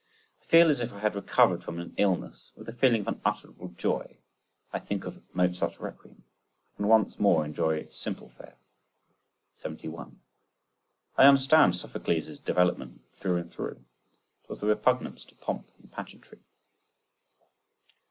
I feel as if I had recovered from an illness: with a feeling of unutterable joy I think of Mozart's Requiem. I can once more enjoy simple fare. 71. I understand Sophocles' development through and through—it was the repugnance to pomp and pageantry.